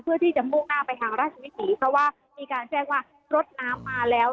เพื่อที่จะมุ่งหน้าไปทางราชวิถีเพราะว่ามีการแจ้งว่ารถน้ำมาแล้ว